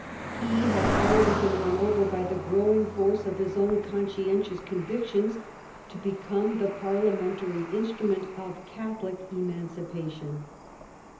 He had already been won over, by the growing force of his own conscientious convictions, to become the Parliamentary instrument of Catholic emanci pation.